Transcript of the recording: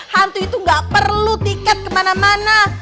hantu itu gak perlu tiket kemana mana